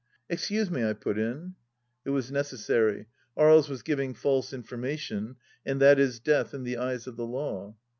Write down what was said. "Excuse me !" I put in. It was necessary. Aries was giving false information, and that is death in the eyes of the law.